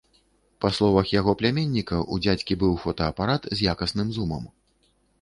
Па словах яго пляменніка, у дзядзькі быў фотаапарат, з якасным зумам.